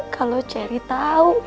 kalau jerry tau